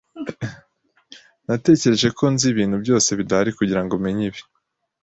Natekereje ko nzi ibintu byose bihari kugirango menye ibi.